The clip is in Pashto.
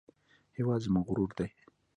هېواد زموږ غرور دی